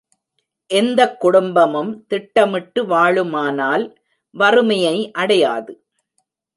எந்தக் குடும்பமும் திட்டமிட்டு வாழுமானால் வறுமையை அடையாது.